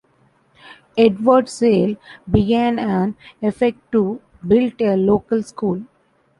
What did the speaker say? Edward Sale began an effort to build a local school.